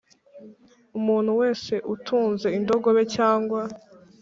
Umuntu wese utunze indogobe cyangwa